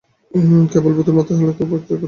কেবল ভুতোর মা তাহাকে খুব এক কথা শুনাইয়াছিল।